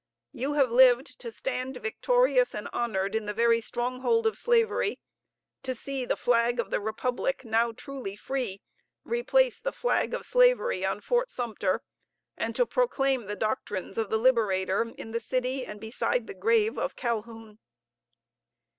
You have lived to stand victorious and honored in the very stronghold of slavery; to see the flag of the republic, now truly free, replace the flag of slavery on Fort Sumter; and to proclaim the doctrines of the Liberator in the city, and beside the grave of Calhoun.